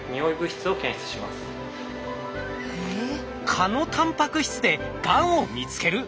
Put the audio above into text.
蚊のタンパク質でがんを見つける！？